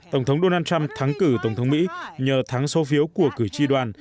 tổng thống donald trump thắng cử tổng thống mỹ nhờ thắng số phiếu của cử tri đoàn